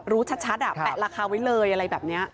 รู้ชัดอ่ะแปะราคาไว้เลยอะไรแบบนี้